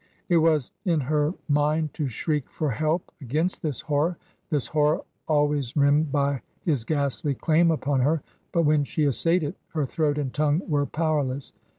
It was in her mind to shriek for help against this horror — this horror always rimmed by his ghastly claim upon her; but when she assayed it her throat and tongue were power less.